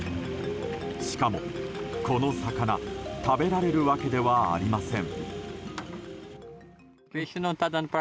しかも、この魚食べられるわけではありません。